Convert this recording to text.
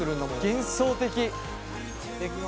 幻想的。